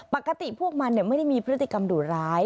ปกติพวกมันไม่ได้มีพฤติกรรมดุร้าย